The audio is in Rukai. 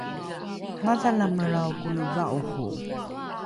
madhalamelrao kone va’oro